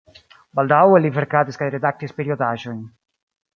Baldaŭe li verkadis kaj redaktis periodaĵojn.